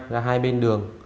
ra hai bên đường